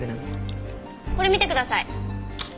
これ見てください。